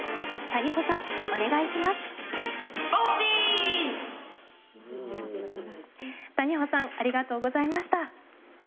谷保さんありがとうございました。